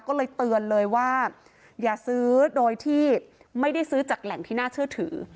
ก็เลยเตือนเลยว่าอย่าซื้อโดยที่ไม่ได้ซื้อจากแหล่งที่น่าเชื่อถือ